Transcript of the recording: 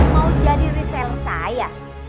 mau jadi reseller saya